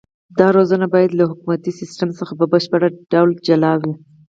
دا روزنه باید له حکومتي سیستم څخه په بشپړ ډول جلا وي.